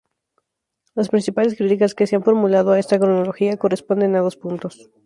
Las principales críticas que se han formulado a esta cronología corresponden a dos puntos.